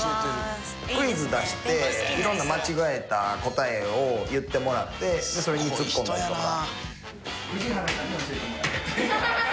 クイズ出して色んな間違えた答えを言ってもらってそれにツッコむとか。